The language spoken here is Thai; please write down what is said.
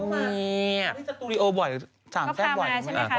สตูระย์โอว่าย